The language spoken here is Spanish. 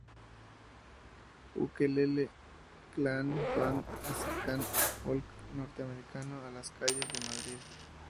Ukelele Clan Band acercan el folk norteamericano a las calles de Madrid.